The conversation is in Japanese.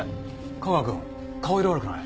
架川くん顔色悪くない？